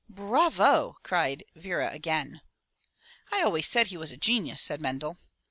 "Bravo!" cried Vera again. "I always said he was a genius!" said Mendel.